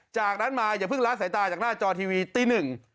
จากนั้นมาอย่าเพิ่งละสายตาจากหน้าจอทีวีตีหนึ่ง